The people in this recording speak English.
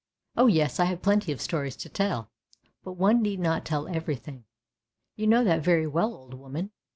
Oh, yes, I have plenty of stories to tell! But one need not tell everything. You know that very well, old woman!